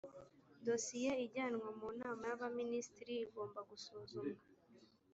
dosiye ijyanwa mu nama y ‘abaminisitiri igomba gusuzumwa.